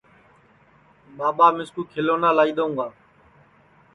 ٻاٻا مِِسکُو کھیلونا لائی دؔیوں گا